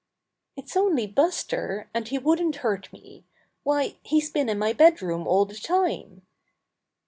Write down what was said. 'Tt's only Buster, and he wouldn't hurt me. Why, he's been in my bed room all the time!"